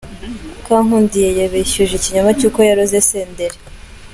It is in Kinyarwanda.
Kankundiye yabeshyuje ikinyoma cy'uko yaroze Senderi.